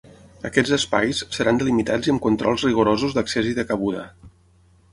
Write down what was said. Aquests espais seran delimitats i amb controls rigorosos d’accés i de cabuda.